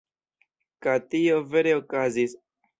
Ka tio vere okazis.